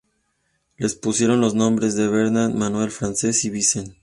Les pusieron los nombres de Bernat, Manuel, Francesc y Vicent.